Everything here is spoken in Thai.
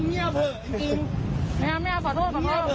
เขาดึงตอนไหนมึงพูดให้ดีไหนล่ะอีกลูกก็วะ